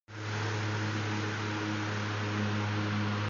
உமையின் வடிவமான காமாட்சியைப் பல இடங்களில் கோயில் கட்டி வழிபடுகின்றனர்.